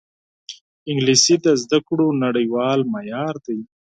انګلیسي د زده کړو نړیوال معیار دی